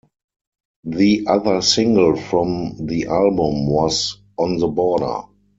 The other single from the album was "On the Border".